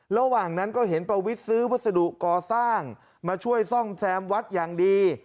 ระหว่างนั้นก็เห็นประวิทย์ซื้อวัสดุก่อสร้างมาช่วยซ่อมแซมวัดอย่างดี